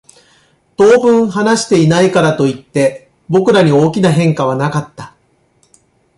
当分話していないからといって、僕らに大きな変化はなかった。